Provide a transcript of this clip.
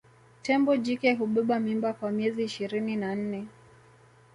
Tembo jike hubeba mimba kwa miezi ishirini na nne